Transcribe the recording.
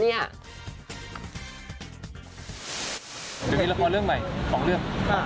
เดี๋ยวมีละครเรื่องใหม่๒เรื่อง